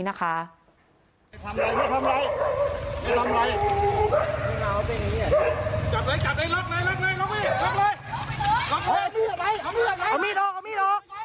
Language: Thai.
เพิ่งทำเลยพวกคุมเลย